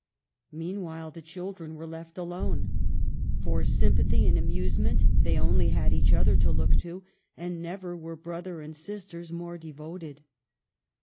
Meanwhile the children were left alone. For sympathy and amusement they only had each other to look to ; and never were brother and sisters more devoted.